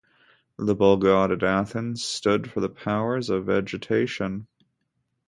The bull-god at Athens stood for the powers of vegetation.